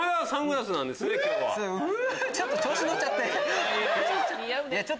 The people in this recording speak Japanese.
ちょっと調子乗っちゃって。